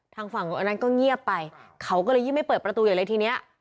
ทางฝั่งอันนั้นก็เงียบไปเขาก็เลยยิ่งไม่เปิดประตูใหญ่เลยทีนี้